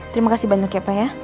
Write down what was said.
terima kasih banyak ya pak ya